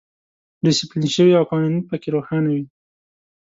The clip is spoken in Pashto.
ډیسپلین شوی او قوانین پکې روښانه وي.